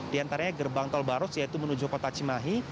di antaranya gerbang tol baros yaitu menuju kota cimahi